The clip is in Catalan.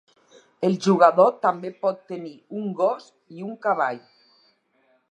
El jugador també pot tenir un gos i un cavall.